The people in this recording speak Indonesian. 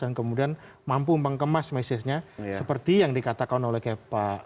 dan kemudian mampu mengemas mesinnya seperti yang dikatakan oleh pak